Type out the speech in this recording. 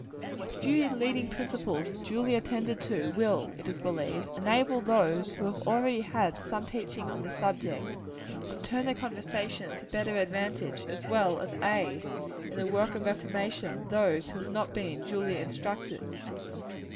A few leading principles, duly attended to, will, it is believed, enable those who have already had some teaching on this subject, to turn their conversation to better advantage; as well as aid, in the work of reformation, those who have not been duly instructed.